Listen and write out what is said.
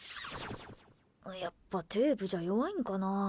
やっぱテープじゃ弱いんかなぁ。